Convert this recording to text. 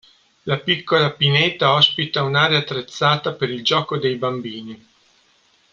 La piccola pineta ospita un'area attrezzata per il gioco dei bambini.